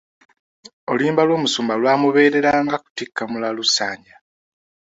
Oluyimba lw'omusumba lwamubeerera nga kutikka mulalu ssanja.